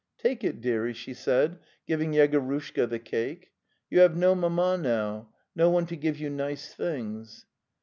'Take it, dearie,' she said, giving Yegorushka the cake; '' you have no mamma now —no one to give you nice things."